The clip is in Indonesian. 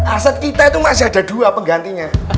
aset kita itu masih ada dua penggantinya